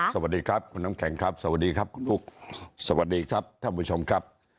สวัสดีครับคุณน้ำแข็งครับสวัสดีครับคุณอุ๊คสวัสดีครับท่านผู้ชมครับ